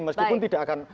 meskipun tidak akan